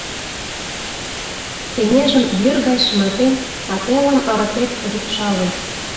Кеҥежым йӱр гай шыматет, а телым ырыктет рӱпшалын.